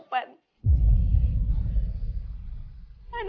anaknya gak berkekurangan sama sekali